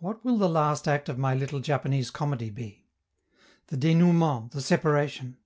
What will the last act of my little Japanese comedy be? the denouement, the separation?